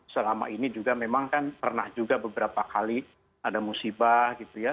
selama ini juga memang kan pernah juga beberapa kali ada musibah gitu ya